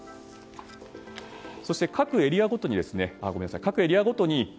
そして各エリアごとに。